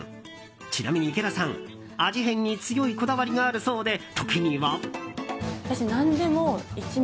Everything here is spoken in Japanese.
ちなみに池田さん味変に強いこだわりがあるそうで時には。